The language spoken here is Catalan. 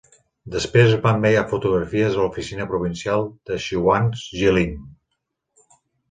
Després va enviar fotografies a l"oficina provincial de Xinhua's Jilin.